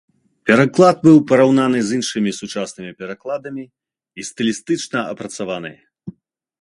Пераклад быў параўнаны з іншымі сучаснымі перакладамі і стылістычна апрацаваны.